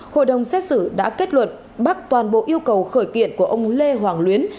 hội đồng xét xử đã kết luận bắt toàn bộ yêu cầu khởi kiện của ông lê hoàng luyến